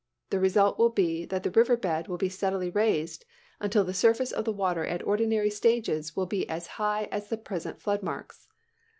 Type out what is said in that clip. The result will be that the river bed will be steadily raised until the surface of the water at ordinary stages will be as high as the present floodmarks.